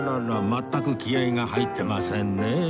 全く気合が入ってませんね